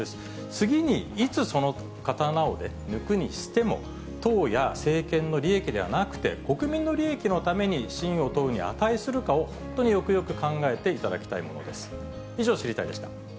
次にいつその刀を抜くにしても、党や政権の利益ではなくて、国民の利益のために信を問うに値するかを、本当によくよく考えていただきたいものです。